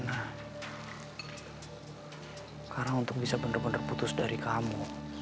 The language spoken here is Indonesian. nah karena untuk bisa benar benar putus dari kamu